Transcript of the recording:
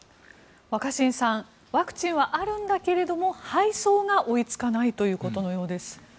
若新さんワクチンはあるんだけど配送が追いつかないということのようです。